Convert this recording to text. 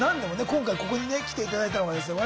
今回ここにね来ていただいたのはですね